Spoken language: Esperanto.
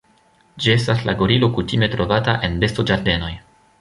Ĝi estas la gorilo kutime trovata en bestoĝardenoj.